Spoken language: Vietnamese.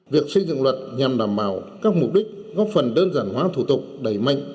việc xây dựng luật nhằm đảm bảo các mục đích góp phần đơn giản hóa thủ tục đẩy mạnh